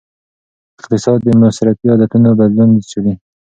اقتصاد د مصرفي عادتونو بدلون څیړي.